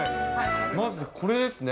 まずこれですね。